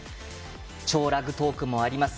「超ラグトーク」もあります。